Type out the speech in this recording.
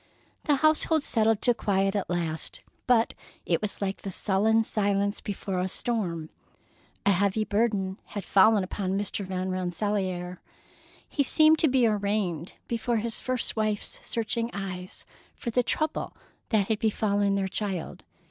The household settled to quiet at last, but it was like the sullen silence before a storm. A heavy burden had fallen upon Mr. Van Rensselaer. He seemed to be arraigned before his first wife's searching eyes, for the trouble that had befallen their child.